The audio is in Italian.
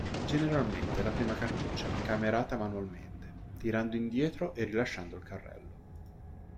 Generalmente la prima cartuccia è incamerata manualmente, tirando indietro e rilasciando il carrello.